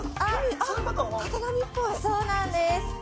そうなんです